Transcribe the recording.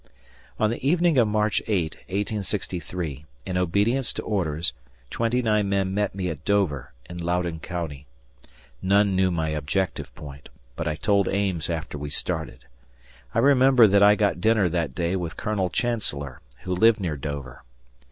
On the evening of March 8, 1863, in obedience to orders, twenty nine men met me at Dover, in Loudoun County. None knew my objectivepoint, but I told Ames after we started. I remember that I got dinner that day with Colonel Chancellor, who lived near Dover.